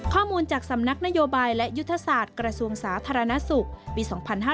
ข้อมูลจากสำนักนโยบายและยุทธศาสตร์กระทรวงสาธารณสุขปี๒๕๕๙